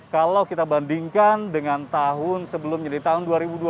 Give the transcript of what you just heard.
kalau kita bandingkan dengan tahun sebelumnya di tahun dua ribu dua puluh